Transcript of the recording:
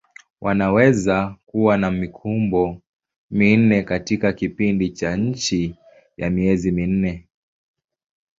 Wanaweza kuwa na mikumbo minne katika kipindi cha chini ya miezi minne.